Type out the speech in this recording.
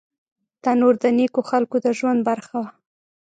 تنور د نیکو خلکو د ژوند برخه وه